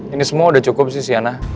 ini semua udah cukup sih siana